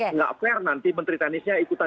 nggak fair nanti menteri teknisnya ikut ikutin